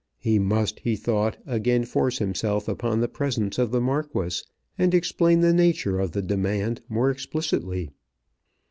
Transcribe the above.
He must, he thought, again force himself upon the presence of the Marquis, and explain the nature of the demand more explicitly.